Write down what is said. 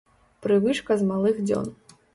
Прывычка з малых дзён.